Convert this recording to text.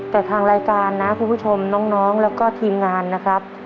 แต่ทางรายการนะคุณผู้ชมน้องแล้วก็ทีมงานนะครับ